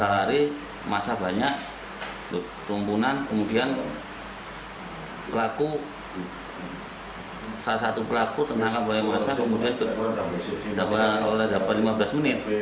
hari masa banyak rumpunan kemudian pelaku salah satu pelaku ternangkap oleh massa kemudian dapat lima belas menit